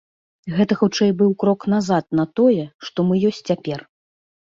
Гэта хутчэй быў крок назад на тое, што мы ёсць цяпер.